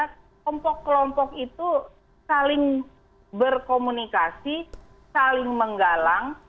kelompok kelompok itu saling berkomunikasi saling menggalang